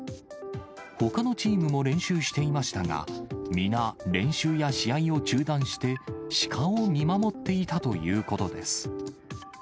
ほかのチームも練習していましたが、皆、練習や試合を中断して、シカを見守っていたということです。